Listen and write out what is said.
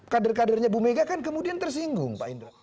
kader kadernya bu mega kan kemudian tersinggung